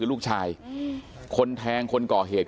เป็นมีดปลายแหลมยาวประมาณ๑ฟุตนะฮะที่ใช้ก่อเหตุ